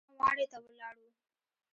سبا واڼې ته ولاړو.